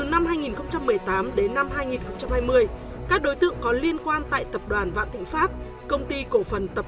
từ năm hai nghìn một mươi tám đến năm hai nghìn hai mươi các đối tượng có liên quan tại tập đoàn vạn thịnh pháp công ty cổ phần tập